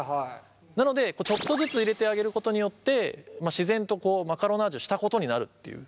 なのでちょっとずつ入れてあげることによって自然とマカロナージュしたことになるっていう。